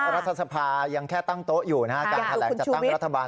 รัฐสภายังแค่ตั้งโต๊ะอยู่นะฮะการแถลงจัดตั้งรัฐบาล